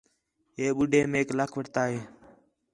ہے ٻُڈّھے میک لَکھ وٹھتا ہے